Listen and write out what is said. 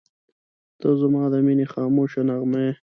• ته زما د مینې خاموشه نغمه یې.